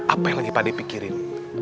apa yang lagi pade pikirin